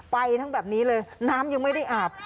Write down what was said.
ไปทั้งแบบนี้เลยน้ำยังไม่ได้อาบ